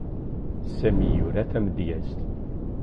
Sami yura tamedyezt.